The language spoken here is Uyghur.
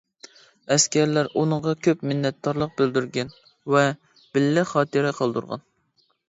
ئەسكەرلەر ئۇنىڭغا كۆپ مىننەتدارلىق بىلدۈرگەن ۋە بىللە خاتىرە قالدۇرغان.